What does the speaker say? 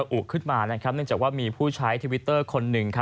อุขึ้นมาเนื่องจากว่ามีผู้ใช้ทวิตเตอร์คนหนึ่ง